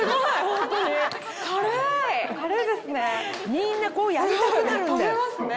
みんなこうやりたくなるんだよ。